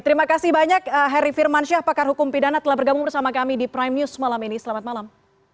terima kasih banyak heri firmansyah pakar hukum pidana telah bergabung bersama kami di prime news malam ini selamat malam